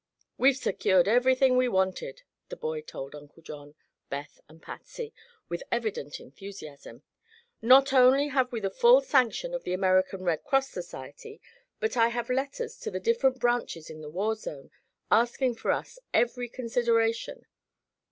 "We've secured everything we wanted," the boy told Uncle John, Beth and Patsy, with evident enthusiasm. "Not only have we the full sanction of the American Red Cross Society, but I have letters to the different branches in the war zone, asking for us every consideration.